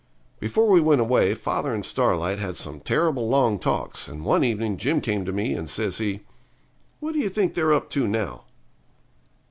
Before we went away father and Starlight had some terrible long talks, and one evening Jim came to me, and says he 'What do you think they're up to now?'